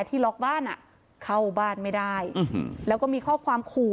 ที่ล็อกบ้านอ่ะเข้าบ้านไม่ได้แล้วก็มีข้อความขู่